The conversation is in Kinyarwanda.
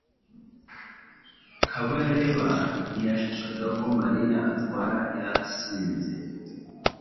Kabareba ntiyashakaga ko Mariya atwara yasinze.